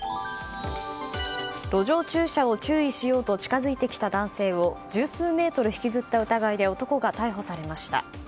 路上駐車を注意しようと近づいてきた男性を十数メートル引きずった疑いで男が逮捕されました。